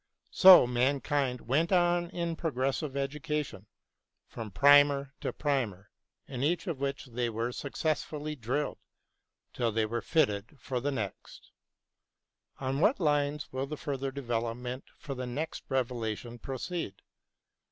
So man kind went on in progressive education, from 234 BROWNING AND LESSING primer to primer, in each of which they were successively drilled, till they were fitted for the next. On what lines will the further development for the next revelation proceed